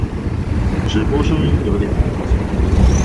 直播聲音有點模糊